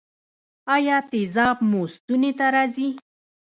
ایا تیزاب مو ستوني ته راځي؟